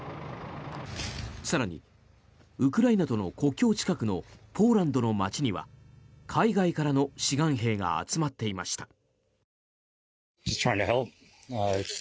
更に、ウクライナとの国境近くのポーランドの街には海外からの志願兵が集まっていました。